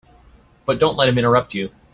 But don't let him interrupt you.